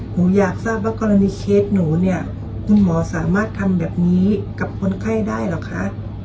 หนูอยากทราบว่ากรณีเคสหนูเนี่ยคุณหมอสามารถทำแบบนี้กับคนไข้ได้เหรอคะ